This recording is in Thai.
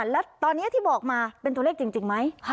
แล้วตอนนี้ที่บอกมาเป็นตัวเลขจริงไหม